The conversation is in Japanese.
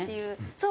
そう。